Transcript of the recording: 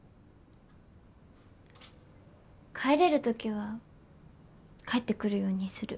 帰れる時は帰ってくるようにする。